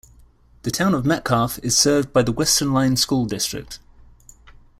The Town of Metcalfe is served by the Western Line School District.